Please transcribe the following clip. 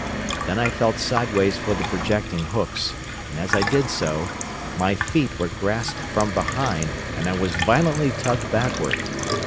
Then I felt sideways for the projecting hooks, and, as I did so, my feet were grasped from behind, and I was violently tugged backward.